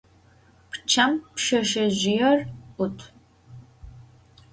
Pççem pşseşsezjıêr 'ut.